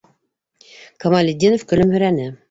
Камалетдинов көлөмһөрәне: